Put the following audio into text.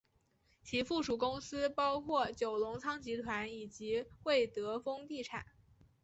其附属公司包括九龙仓集团以及会德丰地产。